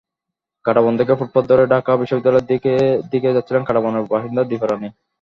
কাঁটাবন থেকে ফুটপাত ধরে ঢাকা বিশ্ববিদ্যালয়ের দিকে যাচ্ছিলেন কাঁটাবনের বাসিন্দা দীপা রানী।